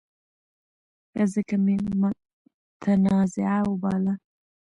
ځکه مې متنازعه وباله.